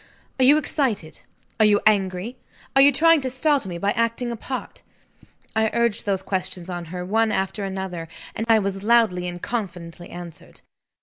"Are you excited? are you angry? are you trying to startle me by acting a part?" I urged those questions on her, one after another; and I was loudly and confidently answered.